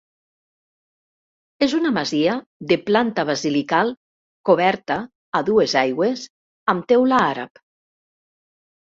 És una masia de planta basilical coberta a dues aigües amb teula àrab.